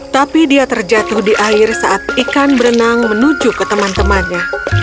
tapi dia terjatuh di air saat ikan berenang menuju ke teman temannya